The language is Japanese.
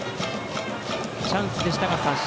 チャンスでしたが三振。